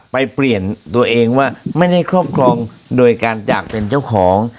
ไปเปลี่ยนตัวเองว่าไม่ได้ครอบครองโดยการจากเป็นเจ้าของ